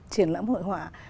triển lãm hội họa